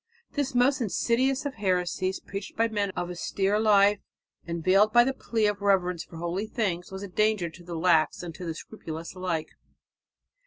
This most insidious of heresies, preached by men of austere life and veiled by the plea of reverence for holy things, was a danger to the lax and to the scrupulous alike.